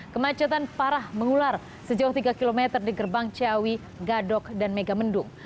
kemacetan parah mengular sejauh tiga km di gerbang ciawi gadok dan megamendung